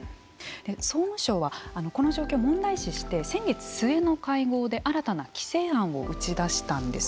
総務省はこの状況問題視して先月末の会合で新たな規制案を打ち出したんです。